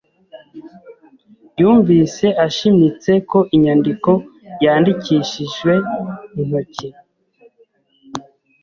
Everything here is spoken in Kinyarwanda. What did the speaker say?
yumvise ashimitse ko inyandiko yandikishijwe intoki